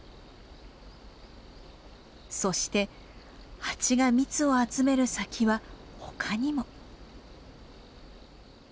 そしてハチが蜜を集める先は他にも。